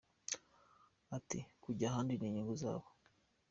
Ati” Kujya ahandi ni unyungu zabo.